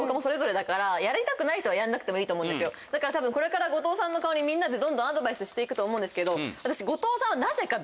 だからこれから後藤さんの顔にみんなでどんどんアドバイスして行くと思うんですけど私。